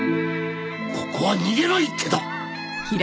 ここは逃げの一手だ！